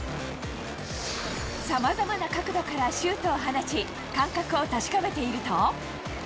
さまざまな角度からシュートを放ち、感覚を確かめていると。